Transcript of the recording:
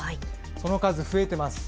その数、増えてます。